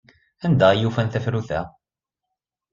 Anda ay ufan tafrut-a?